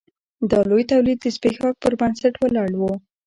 دا لوی تولید د ځبېښاک پر بنسټ ولاړ و.